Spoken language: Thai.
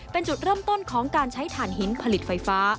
เป็นจุดเริ่มต้นของการใช้ฐานหินผลิตไฟฟ้า